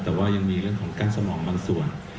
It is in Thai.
แต่ว่ายังมีเรื่องของกั้นสมองบางส่วน